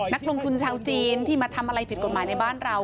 นักลงทุนชาวจีนที่มาทำอะไรผิดกฎหมายในบ้านเรา